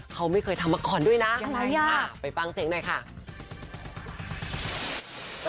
เขาไม่เคยทำมาก่อนด้วยนะไปปังเจ๊กหน่อยค่ะอะไรค่ะ